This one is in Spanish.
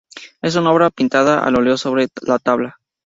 Es una obra pintada al óleo sobre tabla.